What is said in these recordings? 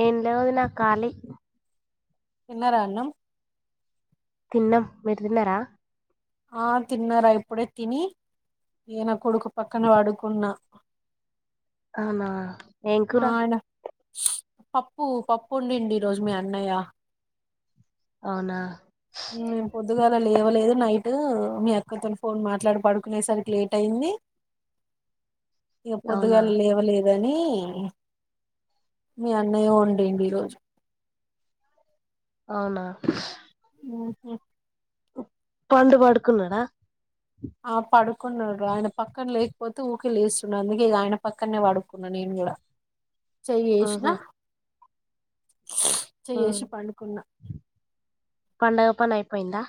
ఏం లే వదినా ఖాళీ తిన్నారా అన్నం తిన్నాం మీరు తిన్నారా ఆ తిన్నార ఇప్పుడే తిని ఇగ నా కొడుకు పక్కన పడుకున్నా అవునా ఏం కూరా ఆయన పప్పు పప్పు వండిండు ఈరోజు మీ అన్నయ్య అవునా మేం పొద్దుగాల లేవలేదు నైట్ మీ అక్కతోని ఫోన్ మాట్లాడి పడుకునేసరికి లేట్ అయింది ఇగా అవునా పొద్దుగాల లేవలేదు ఏందీ మీ అన్నయ్య వన్డిండి ఈరోజు అవునా ఆహ పండు పడుకున్నాడా ఆ పడుకున్నాడు ఆయన పక్కన లేకపోతే ఊకే లేస్తున్నా అందుకే ఇ ఆయన పక్కనే పడుకున్నా నేను కూడా చెయ్యి ఏసిన ఉ పండుకున్నా పండగ పనయి పోయిందా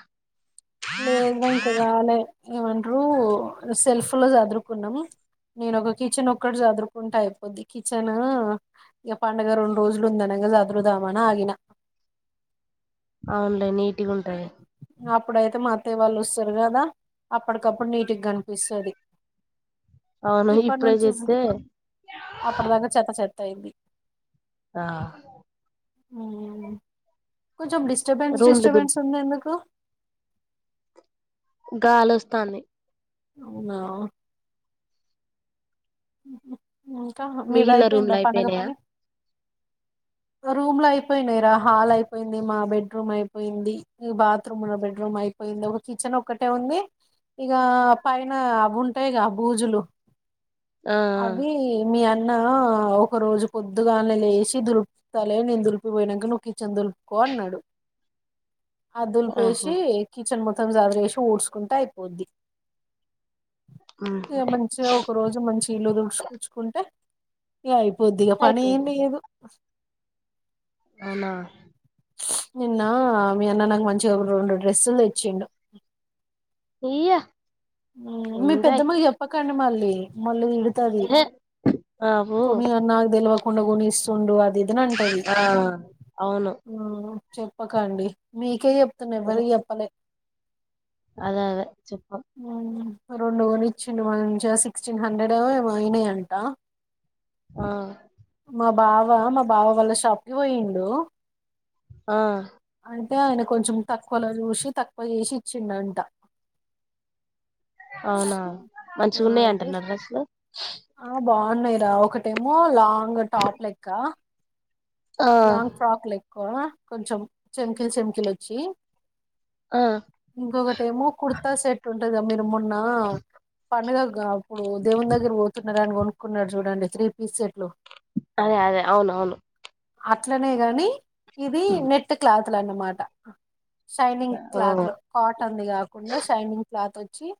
లేదు నంకు రాలే ఏమంట్రు సెల్ఫ్ లో చదురుకున్నాం నేను ఒక కిచెన్ ఒక్కటి చదురుకుంటా అయిపోద్ది కిచెన్ ఇగ పండుగ రెండు రోజులు ఉందనగా చదురుదామని ఆగినా అవునులే నీట్ గా ఉంటాయి అప్పుడైతే మా అత్త వాళ్ళు వస్తారు కదా అప్పటికప్పుడు నీటుగ కనిపిస్తది అవును ఇప్పటి ఇప్పుడే నుంచి [unintelligible] చెత్తే అప్పటి దాక చెత్త చె తైంది ఆ కొంచం డిస్టబెన్స్ రూమ్లు దుల్ డిస్టబెన్స్ ఉన్న ఎందుకు గాలొస్తాంది అవునా ఇంకా మిగిలిన రూమ్లు మీదైపోయిందా పండగ అయిపోయినాయా పని రూమ్ లో అయిపోయినాయి రా హాల్ అయిపోయింది మా బెడ్రూమ్ అయిపోయింది ఈ బాత్రూమ్ ఉన్న బెడ్రూమ్ అయిపోయింది ఒక కిచెన్ ఒక్కటే ఉంది ఇక పైన అవి ఉంటాయిగా బూజులు ఆ అవి మీ ఆన్ న్న ఒక రోజు పొద్దుగానే లేచి దులు ప్తా లే నేను దులిపిపోయినంక నువ్వు కిచెన్ దులుపుకో అన్నాడు ఆ దులుపేసి కిచన్ ము త్తం సదిరేసి ఊడ్చుకుంటే అయిపోద్ది ఇ ఊహు. మంచిగా ఒక రోజు మంచి ఇల్లు దుచు కూచుకుంటే ఇగ కొద్దిగా పని ఏం అయిపోయింది లేదు అవునా నిన్న మీ అన్న నాకు మంచిగా ఒక రెండు డ్రెస్సులు తెచ్చిండు ఇయా మీ పెద్దమ్మకి చెప్పకు కని మల్లి మళ్ళీ ఇడతది ఎహె ఆవు కొని అని నాకు తెలవదు ఇలా కొనిస్తుండు అది ఇదని అంటది ఆ అవును చెప్పకండి మీకే చె పతునే మరి ఎహె, చెప్పలే అదే అదే చెప్ప ఉ రెండు కొనిచ్చిండు మంచి సిక్స్టీన్ హండ్రెడో ఏమో అయినాయి అంట ఆ మా బావ మా బావ వాళ్ళ షాప్ కి పోయిండు ఆ అంటే ఆయన కొంచెం తక్కువలో చూసి తక్కువ చేసి ఇచ్చిండ అంట అవునా మంచిగున్నాయి అయితే అంటున్నాయా డ్రస్లు ఆ బాగున్నాయిరా ఒకటేమో లాంగ్ టాప్ లెక్క ఆ లాంగ్ ఫ్రాక్ లు ఎక్కువ కొంచెం చెమకిలు చెమకిలు వచ్చి ఇంకొకటి ఏమో కుర్తా సెట్ ఉంది తర మీరు మొన్న పండుగ అప్పుడు దేవుని దగ్గర పో దాన్ని కొనుక్కున్నాడు చూడండి త్రీ పీస్ సెట్లు అదే అదే అవును అవును అట్లనే గాని ఇది నెట్ క్లాత్ ల అన్నమాటా షైనింగ్ ఆ క్లాత్ లో కాటన్ ది కాకుండా షైనింగ్ క్లాత్ వ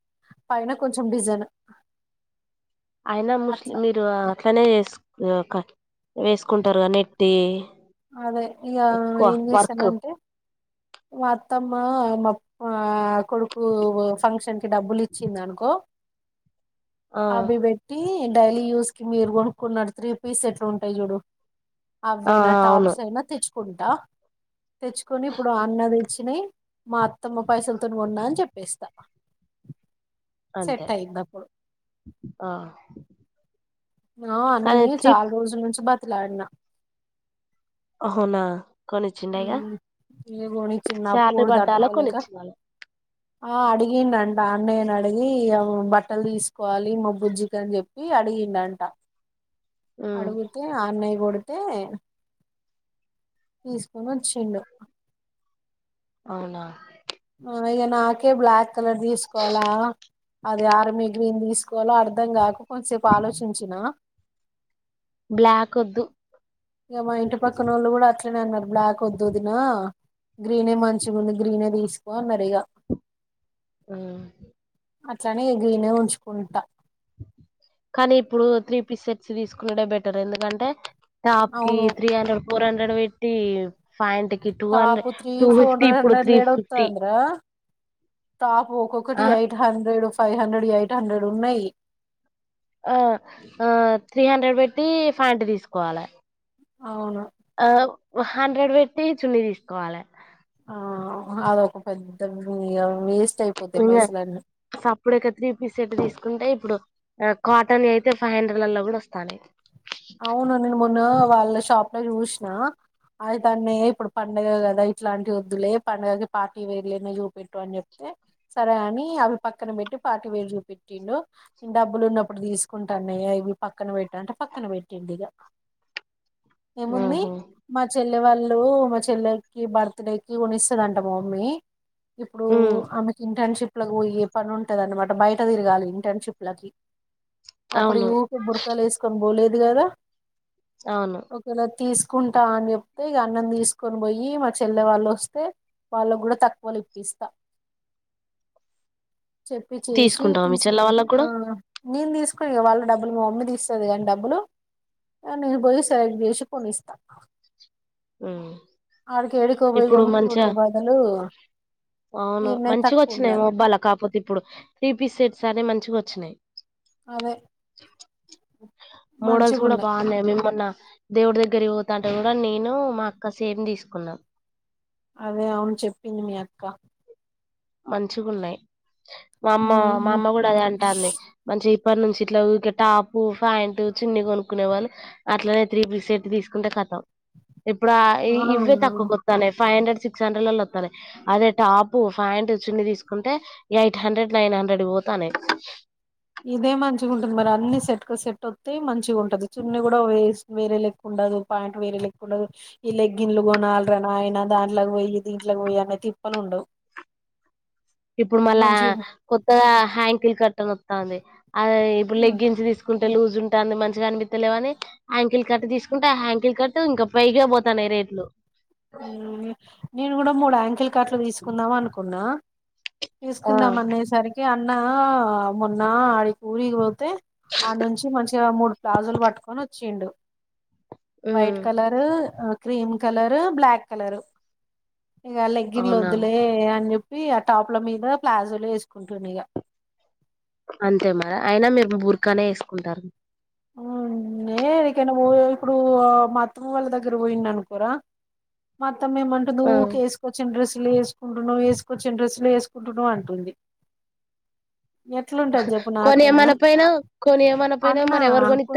పైన కొంచం డిజైన్ అయినా ముస్లిం అట్లా మీరు అట్లనే ఇదొక వేసుకుంటారు కదా నెట్టి అదే ఇక ఎక్కువ ఏం వర్క్ చేసానంటే అత్తమ్మ మా కొడుకు ఫంక్షన్కిి డబ్బులుచ్చింది అనుకో ఆ అవి పెట్టి నేను డైలీ యూస్కి మీరు కొనుక్కున్నాడు త్రీ పీస్ సెట్లు ఉంటాయి చూడు ఆ అవ్వేనా అవును టాప్స్ అయినా తెచ్చు కుంటా తెచ్చుకొని ఇప్పుడు అన్నది చింది మా అత్తమ్మ పైసలతో ఉన్నా అని చెప్ప పేస్తా అంతే సెట్ అయిందిప్పుడు ఆ ఆ కానీ అన్నని త్రీ చాలా రోజుల నుంచి బ లాడునా అవునా కొనిచ్చిండేగా ఈ కొనిచ్చిండా నా శాలరీ పోరు పడ్డాల తట్టుకోలేక కొనిచ్చినాల ఆ అడిగిండ అంట అన్నయ్యని అడిగి బట్టలు తీసుకోవాలి మా బుజ్జి కని చెప్పి అడిగిండ అంట అడుగుతే ఆనై బడుతే తీసుకొని వచ్చిండు అవునా నేనైతే నాకే బ్లాక్ కలర్ తీసుకోవాలా అది ఆర్మ గ్రీన్ తీసు ఒకవేళ అర్ధం కాకు కొంచసేపు ఆలోచించిన బ్లాక్ వద్దు ఇక మా ఇంటి పక్కన వాళ్ళు కూడా అట్లనే అన్నారు బ్లాక్ వద్దు వదిన గ్రీనే మంచిగుంది గ్రీనే తీసుకో అన్నారు ఇగ మ్ అట్లనే ఇ గ్రేనే ఉంచుకుంటా కానీ ఇప్పుడు త్రీ పీ సెట్స్ తీసుకొనుడే బెటర్ ఎందుకంటే టాప్ కీ అవును త్రీ హండ్రెడ్ ఫోర్ హండ్రెడ్ అక్కడ పెట్టి ప్యాంట్ కి two top hundred three two four fifty ఇప్పుడు త్రీ హండ్రెల ఎడ ఫిఫ్టీ ఒత్తందిర టాప్ ఒక్కొక్కటి ఆ eight hundred five hundred eight hundred ఉన్నాయి ఆ త్రీ హండ్రెడ్ పెట్టి ప్యాంట్ తీసుకోవాలి అవును ఆ హండ్రెడ్ పెట్టి చున్నీ తీసుకోవాలి. ఆ అదొక పెద్ద మీ [unintelligible] ఇంకా సప్పుడెక త్రీ పీస్ సెట్ తీసుకుంటే ఇప్పుడు ఆ కాటన్ అయితే ఫైవ్ హండ్రెడ్లలో కూడా వస్తానాయి. అవును నేను మొన్న వాళ్ళ షాప్ లో చూసిన అయితే అన్నయ ఇప్పుడు పండుగ కదా ఇట్లాంటి వద్దులే పండుగకి పార్టీ వేర్ ఐతే చూపెట్టు అని చెప్తే సరే అని అవి పక్కన పెట్టి పార్టీ వేర్ చూపెట్టిండు డబ్బులు ఉన్నప్పుడు తీసుకుంటా అన్నయ ఇవి పక్కన పెట్ అంట పక్కన పెట్ దిగ ఏముంది ఆహా మా చెల్లి అంటే వాళ్ళు మా చెల్లెకి బర్త్డే కి కొనిస్తదంట మా మమ్మీ ఇప్పుడు ఆమెకి ఇంటర్ షిప్ ఇండ్లకు పోయి పని ఉంటది అన్నమాట బయట తిరగాలి ఇంటర్ షిప్ లకి అప్పుడు అవును ఊకే బురకలేసుకుని బ ల్ అది కాదా అవును ఓకేలా తీసు తీసుకుంటా అని చెప్తే ఇక అన్నం తీసుకొని పోయి మా చెల్లె వాళ్ళు వస్తే వాళ్ళకి కూడా తక్కువలు ఇప్పిస్తా చెప్పి చేసి తీసుకుంటావా మీ చెల్ల తీసుకుంటా వాళ్ళకు ఆ కూడా నేను తీసుకుని వాళ్ళ డబ్బులు మీ మమ్మీ తీస్తుది కానీ డబ్బులు నేను పోయి సైగ చేసి కొనిస్తా వాడికి ఏడుకోబయి ఇప్పుడు మంచిగా కొనుక్కకునే బదులు అవును ఈన్నే మంచిగా తక్కువ వచ్చినాయి ఉన్నది ముబ్బాల లా కాకపోతే ఇప్పుడు తి పిసె సరే మంచిగా వచ్చినాయి అదే మోడల్స్ కూడా మంచిగున్నాయి బాగున్నాయి మీ మొన్న దేవుడి దగ్గర పోతుంటారు కూడా నేను మా అక్క సేమ్ తీసుకున్నామ్ అదే అవును చెప్పింది మీ అక్క మంచిగున్నాయి మా అమ్మ మా అమ్మ కూడా అద అంటుంది మంచి ఇప్పటి నుంచి ఇట్లా టాప్ ప్యాంటు చున్ని కొనుక్కునే బదులు అట్లే త్రీ పీస్ సెట్ తీసుకుంటే కతం ఇప్పుడు ఈ ఆ ఇవే ఆ తక్కువ కొత్తానే ఫైవ్ హండ్రెడ్ సిక్స్ హండ్రెడ్ల వద్దాయి అదే టాపు ప్యాంటు చున్ని తీసుకుంటే ఎయిట్ హండ్రెడ్ నైన్ హండ్రెడ్ పోతా అనే ఇదే మంచిగా ఉంటుది మరి అన్ని సెట్ కు సెట్ వస్తే మంచిగా ఉంటది చున్ని కూడా వే వేరే లక్కు ఉండదు పాయింట్ వేరే లక్కు ఉండదు ఈ లెగ్ ఇలు కూడాన అలరనా అయనా దాంట్లోకి పోయి దీంట్లోకి పోయి అనే తిప్పలు ఉండవు ఇప్పుడు మళ్ళా మంచి కొత్తగా హ్యాంకిల్ కట్టని వస్తాంది అది ఇప్పుడు లెగ్గిన్స్ తీసుకు లూజ్ ఉంటుంది మంచిగా అనిపిత్తలే అని యాంకిల్ కట్ తీసుకుంటే ఆ యాంకిల్ కట్ ఇంకా పైగా పోతాన్నాయి రేట్లు నేను కూడా మూడు యాంకిల్ కాట్లు తీసుకుందాం అనుకున్నా ఆ తీసుకుందాం అన్నయసరికి అ అన్న మొన్న ఆడి కూ ఊరకి పో ఆ నుంచి మంచిగా మూడు ప్లాజోలు పట్టుకొని వచ్ చీండు white colour cream colour black colour ఇక లెగ్గి న్లు అవునా వద్దులే అని చెప్ వీ ఆ టాప్ల మీద ప్లాజోలు వేసుకుంటును ఇగా అంతే మరి అయినా మేరూ బుర్కానే వేసుకుంటారు అ నే ఎందుకైనా పో ఇప్పుడు మా అత్తమ్మ వాళ్ళ దగ్గర పోయిండఅనుకోరా మా త్ త్తం ఏమంటంది ఆ ఊకేసుకొచ్చిన్ డ్రెస్ వేసుకుంటున్నావ్ వేసుకొచ్చిన డ్రెస్సులే వేసుకుంటున్నావు అంటుంది ఎట్లుంటది చెప్పు కొని ఇయ్యమనకపోయినావ్ కొని ఇయ్యమనకపోయినావ్ మ ఆ కొ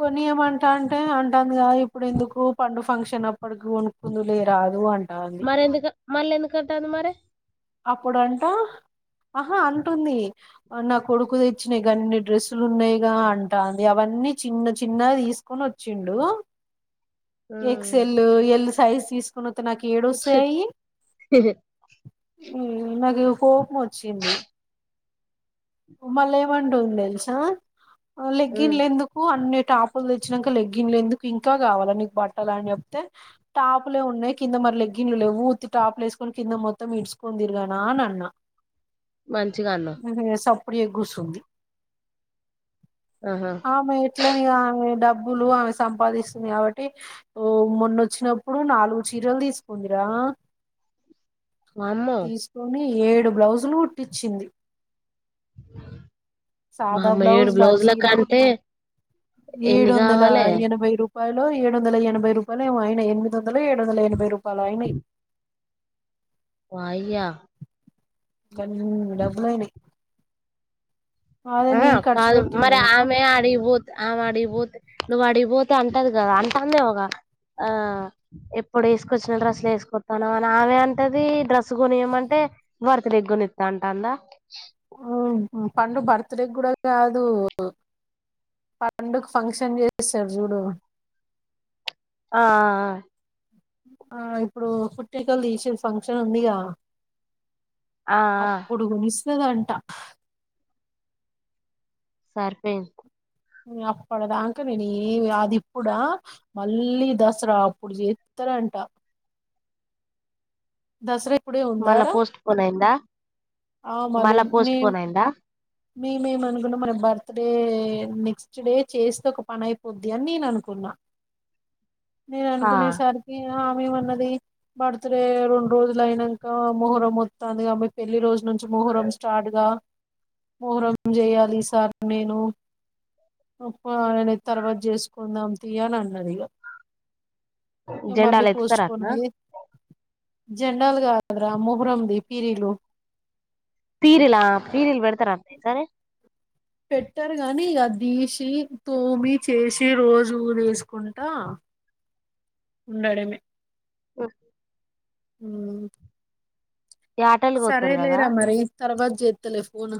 కొనియ్యమంటాంటే ఉ అంటన్ గా ఇప్పుడు ఎందుకు పండు ఫంక్షన్ అప్ అప్పడకి కి కొనుకుందులే రాదు అంటాంది మరి ఎందుకు మళ్ళ ఎందుకంటాంది మరి అప్పుడ అంట ఆహా అంటుంది నా కొడుకు తెచ్చినాయి గ న్ని డ్రెస్సులు ఉన్నాయిగా అంటాంది అవన్నీ చిన్న చిన్నగ తీసుకొని వచ్చిండు X um L L size తీసుకున్న నాకు ఏడోస్తయి అయ్యి ఉమ్ మరీ కోపమొ చ్చింది మళ్ళా ఏమంటుంది తెలుసా లెగ్గిన్లు ఎందుకు అన్ని టాపులు తెచ్చినాక లెగ్గిన్ లు ఎందుకు ఇంకా కావాలా నీకు బట్టలు అని చెప్తే టాపులే ఉన్నాయి కింద మరి లెగ్గిన్ లు లేవు ఉత్తి టాప్లు వేసుకని కింద మొత్ త్తం ఇడ్సుకుని తిరగనా అన్నా మంచి గా అన్నావ్ ప్పుడు ఎ గుసుంది ఆహా ఆమె ఎట్లే ని గాని డబ్ లు ఆమె సంపాదిస్తుంది కాబట్టి మొన్నొచ్చినప్పుడు నాలుగు చీరలు తీసుకుందిరా వామ్మో తీసుకొని ఏడు బ్లౌజులు కుట్టిచ్చింది వామ్మో ఏడు బ్లౌజ్లు ఆ బ్లౌజుల చీర కంటే ఎన్ని కావాలే రూపాయ్ లో ఏడు వందల ఎనభై రూపాయలేమో ఆయినాయ్ ఎనిమిది వందలో ఏడు వంద ఎనభై రూప్ వాళ్ళ ఆయినయ్ వాయ్యా కాన్ డబ్బులయినాయ్ హా ఖర్చు కాదు పెట్టింది మరి అనుకో ఆమె ఆడిక్ వోత్ ఆమె ఆడిక్ పోతే నువ్వు ఆడిక్వోతే అంటది కదా అంటాందేమో గా ఆ ఎప్పుడు ఏసుకొచ్చిన డ్రెస్సులే వేసుకొస్తాన్నవ్ అని ఆమె అంటదీ డ్రస్సు కొనియ్యమంటే బర్త్ డే కి కొనిత్త అంటాందా ఓ హొ పండు బర్త్ డే గుడ కాదూ పండుక్ ఫంక్షన్ చేస్తర్ జూడు ఆ ఆ ఆ ఆ ఇప్పుడూ పుట్టేకల్ దీసె ఫంక్షన్ ఉందిగా ఆ ఆ, అప్పుడు గొనిస్ అంటా సర్పైంద్ అప్పడ్దాంక నేను ఏమి గాద్ ఇప్పుడా మళ్ళీ దసరా అప్పుడు జేత్తరంట దస్రె మల్ల పోస్ట్ పోన్ అయిందా ఆ మళ్ళీ మల్ల పోస్ట్ నేను ఫోన్ అయిందా మేమేం అకున్నం మరి బర్త్ డే నెక్స్ట్ డే చేస్తె ఒక పని అయిపోద్ది అని నేన్ అనుకున్న నేన్ ఆ నుకునేసరిక్ ఇగా ఏమన్నది బర్తుడే రొండు రోజులు అయినంకా మొహర్రం మొత్తందిగా పెళ్లి రోజు నుంచి మొహర్రం స్టార్ట్ గా మొహర్రం జేయాలి సార్ నేను పోయన తర్వాత జేసుకుందాం తీయని అన్నది ఇగ ఇగ జెండాలెత్తరట్నా జేండాల్ గాదురా మొహరం ది పీరీలు పీరిలా పీరిల్ వెడ్త్ తర సరే పెట్టార్ గాని ఇగ దీసి తోమి చేసి రోజు వేసుకుంటా ఉండడమె ఆ మ్ యాటలు కోత్తరు కదా సరేలేరా మరి తర్వాత్జె తలే ఫోన్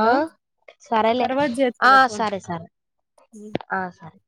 ఆ సరేలే ఆ చేత్తలే ఫోను సరే సరే ఆ సర్